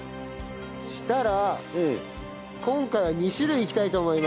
そしたら今回は２種類いきたいと思います。